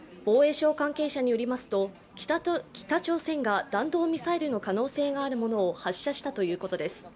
防衛省関係者によりますと北朝鮮が弾道ミサイルの可能性があるものを発射したということです。